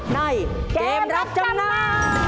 ในเกมรับจำนำ